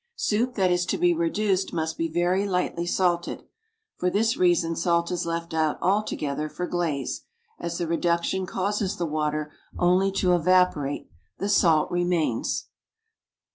Soup that is to be reduced must be very lightly salted; for this reason salt is left out altogether for glaze, as the reduction causes the water only to evaporate, the salt remains.